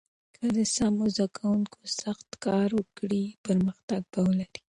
که د سمو زده کوونکو سخت کار وکړي، پرمختګ به ولري.